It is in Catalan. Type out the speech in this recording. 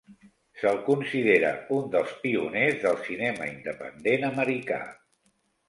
Se'l considera un dels pioners del cinema independent americà.